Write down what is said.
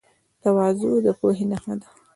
تواضع د پوهې نښه ده.